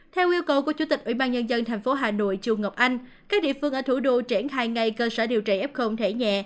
theo yêu cầu của chủ tịch ủy ban nhân dân tp hà nội chu ngọc anh các địa phương ở thủ đô triển khai ngay cơ sở điều trị f thể nhẹ